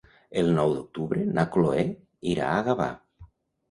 El nou d'octubre na Cloè irà a Gavà.